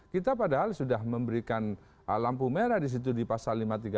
kita padahal sudah memberikan lampu merah di situ di pasal lima ratus tiga puluh